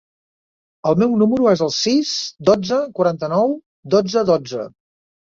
El meu número es el sis, dotze, quaranta-nou, dotze, dotze.